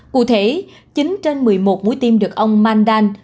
cụ thể chín trên một mươi một mũi tim được ông mandan